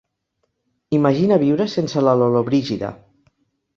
Imagina viure sense la Llollobrigida.